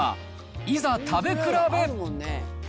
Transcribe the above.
いざ食べ比べ。